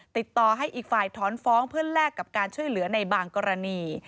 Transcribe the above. ติดต่อให้อีกฝ่ายถอนฟ้องเพื่อแลกกับการช่วยเหลือในบางกรณี